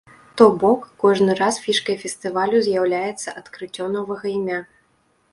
То бок, кожны раз фішкай фестывалю з'яўляецца адкрыццё новага імя.